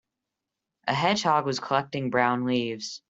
A hedgehog was collecting brown leaves.